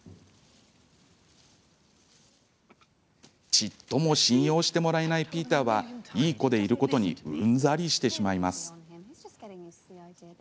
ちっとも信用してもらえないピーターは、いい子でいることにうんざりしてしまいます。